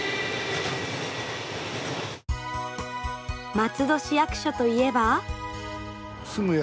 松戸市役所といえば。